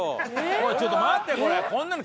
おいちょっと待ってこれ。